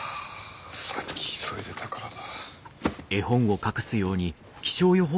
さっき急いでたからだ。